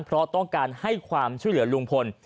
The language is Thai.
เพราะต้องการให้ความช่วยเหลือลุงพล